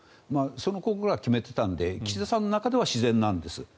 その頃から決めていたので岸田さんの中では自然なんです。